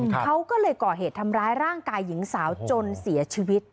เขาก็เลยก่อเหตุทำร้ายร่างกายหญิงสาวจนเสียชีวิต